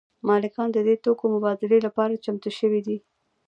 مالکان د دې توکو مبادلې لپاره چمتو شوي دي